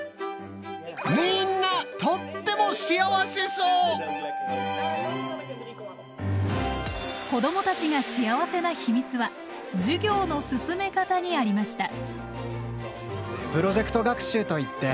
みんな子どもたちが幸せな秘密は授業の進め方にありました。